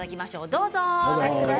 どうぞ。